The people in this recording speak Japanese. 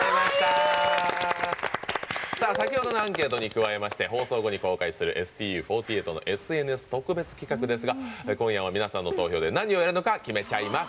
先ほどのアンケートに加えまして放送後に公開するＳＴＵ４８のＳＮＳ特別企画ですが今夜は皆さんの投票で何をやるのか決めちゃいます。